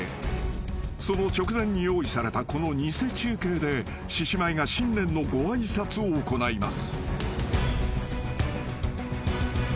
［その直前に用意されたこの偽中継で獅子舞が新年のご挨拶を行います］